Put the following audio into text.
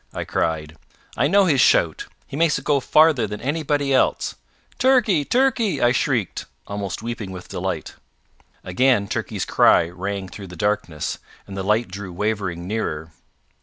I cried. "I know his shout. He makes it go farther than anybody else. Turkey! Turkey!" I shrieked, almost weeping with delight. Again Turkey's cry rang through the darkness, and the light drew wavering nearer.